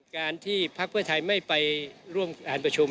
การที่พักเพื่อไทยไม่ไปร่วมการประชุม